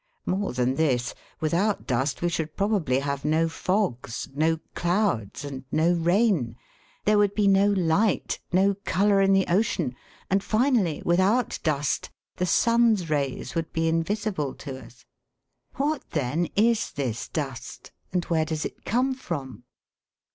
More than this, without dust we should probably have no fogs, no clouds, and no rain, there would be no light, no colour in the ocean ; and finally, without dust, the sun's rays would be invisible to us. What then is this dust, and where does it come from